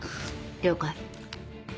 了解。